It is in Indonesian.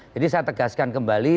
jadi saya tegaskan kembali